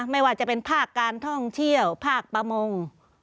ไม่ว่าจะเป็นภาคการท่องเที่ยวภาคประมง